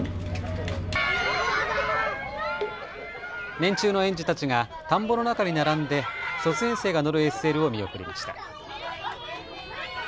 年中の園児たちが田んぼの中に並んで卒園生が乗るＳＬを見送りました。